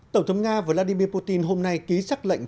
tổng thống nga vladimir putin hôm nay ký xác lệnh